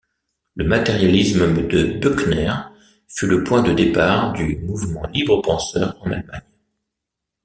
Le matérialisme de Büchner fut le point de départ du mouvement libre-penseur en Allemagne.